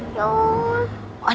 soalnya motornya keren